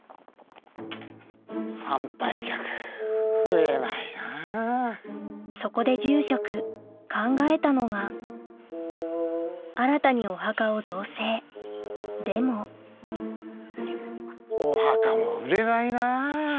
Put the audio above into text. でもそこで住職考えたのが新たにお墓を造成でもお墓も売れないな。